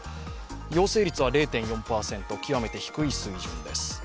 陽性率は０．４％、極めて低い水準です。